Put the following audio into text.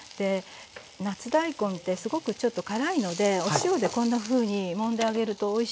夏大根ってすごくちょっと辛いのでお塩でこんなふうにもんであげるとおいしいですね。